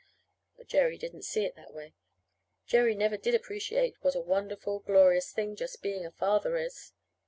But Jerry didn't see it that way. Jerry never did appreciate what a wonderful, glorious thing just being a father is.